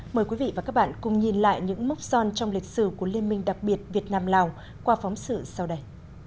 mời quý vị và các bạn cùng nhìn lại những mốc son trong lịch sử của liên minh đặc biệt việt nam lào qua phóng sự sau đây